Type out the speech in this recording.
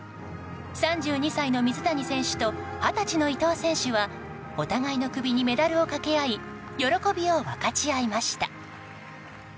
３２歳の水谷選手と二十歳の伊藤選手はお互いの首にメダルをかけ合い喜びを分かち合いました。